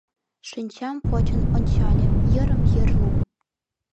Шинчам почын ончале — йырым-йыр лум.